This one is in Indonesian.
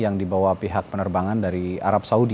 yang dibawa pihak penerbangan dari arab saudi